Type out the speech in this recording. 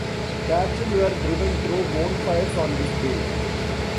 Cattle were driven through bonfires on this day.